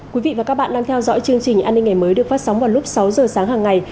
quý vị và các bạn đang theo dõi chương trình an ninh ngày mới được phát sóng vào lúc sáu giờ sáng hàng ngày